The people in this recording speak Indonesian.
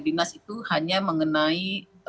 dinas itu hanya mengenai